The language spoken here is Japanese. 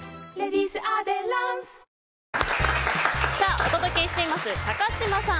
お届けしています高嶋さん